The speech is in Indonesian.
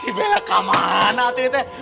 si bella kamana tuh ini teh